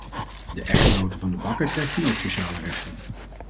De echtgenote van de bakker krijgt nu ook sociale rechten.